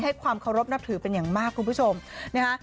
ความเคารพนับถือเป็นอย่างมากคุณผู้ชมนะคะ